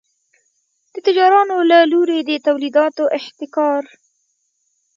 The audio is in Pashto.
د تجارانو له لوري د تولیداتو احتکار.